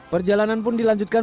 perjalanan pun dilanjutkan